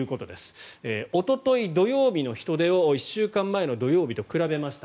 おととい土曜日の人出を１週間前の土曜日と比べました。